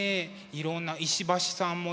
いろんな石橋さんもいるね